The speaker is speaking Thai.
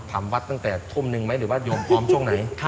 ทำวัดตั้งแต่ทุ่มหนึ่งไหมหรือว่าโยมพร้อมช่วงไหน